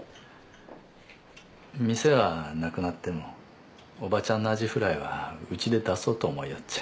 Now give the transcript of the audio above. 店はなくなってもおばちゃんのアジフライはうちで出そうと思いよっちゃ。